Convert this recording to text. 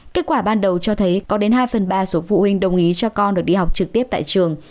kết quả ban đầu cho thấy có đến hai phần ba số phụ huynh đồng ý cho con được đi học trực tiếp tại trường